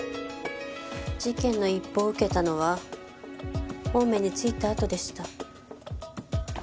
事件の一報を受けたのは青梅に着いたあとでした。